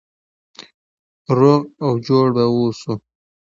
روغ او جوړ به اوسو.